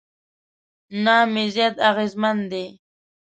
نام یې زیات اغېزمن دی.